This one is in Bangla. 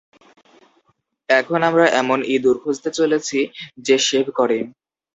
এখন আমরা এমন ইঁদুর খুঁজতে চলেছি যে শেভ করে।